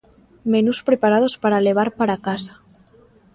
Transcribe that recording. Menús preparados para levar para a casa.